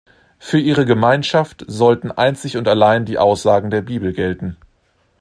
Für ihre Gemeinschaft sollten einzig und allein die Aussagen der Bibel gelten.